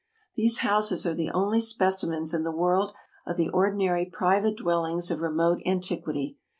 These houses are the osly specimens in the world of the ordinary private dwellings of remote antiquity.